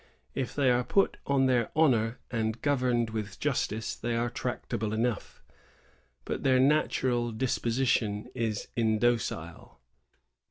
If they are put on their honor and gov erned with justice, they are tractable enough; but their natural disposition is indocile."